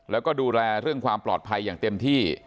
แล้วก็ดูแลเรื่องความปลอดภัยอย่างเต็มที่